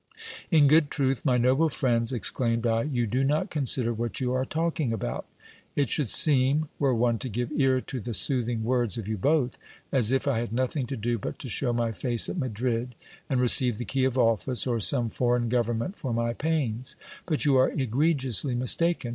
In good truth, my noble friends, exclaimed I, you do not consider what you are talking about. It should seem, were one to give ear to the soothing words of you both, as if I had nothing to do but to shew my face at Madrid, and re ceive the key of office, or some foreign government for my pains ; but you are egregiously mistaken.